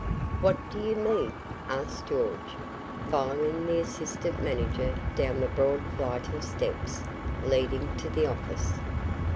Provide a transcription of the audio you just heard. "What do you mean?" asked George, following the assistant manager down the broad flight of steps leading to the office.